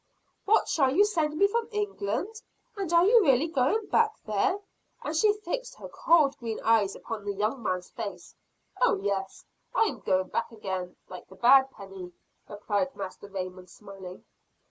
"What shall you send me from England? And are you really going back there?" And she fixed her cold green eyes upon the young man's face. "Oh, yes, I am going back again, like the bad penny," replied Master Raymond smiling.